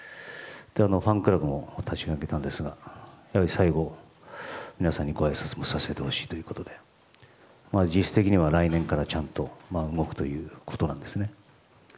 ファンクラブも立ち上げたんですが最後、皆さんにごあいさつもさせてほしいということで実質的には来年からちゃんと動くということです。